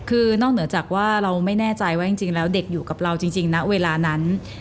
คือนอกเหนือจากว่าเราไม่แน่ใจว่าจริงแล้วเด็กอยู่กับเราจริงณเวลานั้น